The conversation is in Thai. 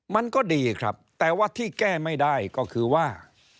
มันก็ดีครับแต่ว่าที่แก้ไม่ได้ก็คือว่า